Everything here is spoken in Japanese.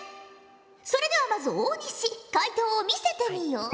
それではまず大西解答を見せてみよ。